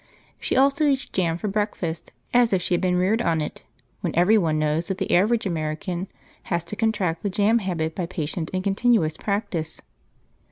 She also eats jam for breakfast as if she had been reared on it, when every one knows that the average American has to contract the jam habit by patient and continuous practice.